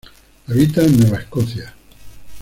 Habita en Nueva Escocia.